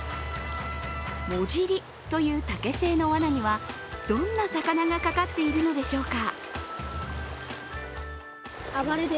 もじりという竹製のわなにはどんな魚がかかっているのでしょうか。